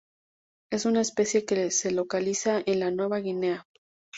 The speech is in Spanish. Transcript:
Es una especie que se localiza en Nueva Guinea.